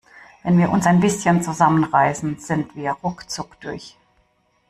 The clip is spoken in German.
Wenn wir uns ein bisschen zusammen reißen, sind wir ruckzuck durch.